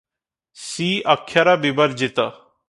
ସି-ଅକ୍ଷର ବିବର୍ଜିତ ।